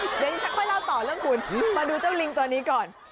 เดี๋ยวฉันค่อยเล่าต่อเรื่องคุณมาดูเจ้าลิงตัวนี้ก่อน